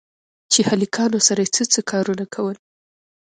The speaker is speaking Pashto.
چې هلکانو سره يې څه څه کارونه کول.